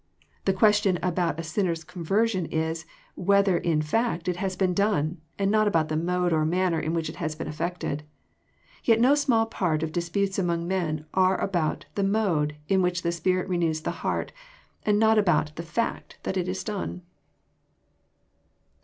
The question about a sinner's conversion is, whether in fact it has been done, and not about the mode or manner In which it has been effected. Tet no small part of disputes among men are about the mode in which the Spirit renews the heart, and not about the fact that it is done."